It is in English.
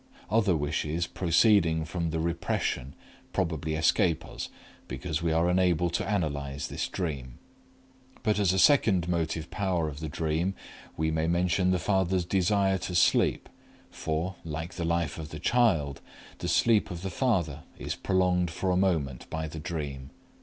Other wishes proceeding from the repression probably escape us, because we are unable to analyze this dream. But as a second motive power of the dream we may mention the father's desire to sleep, for, like the life of the child, the sleep of the father is prolonged for a moment by the dream.